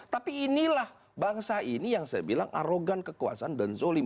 tapi inilah bangsa ini yang saya bilang arogan kekuasaan dan zolim